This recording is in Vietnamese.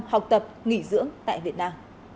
học tập nghỉ dưỡng tại việt nam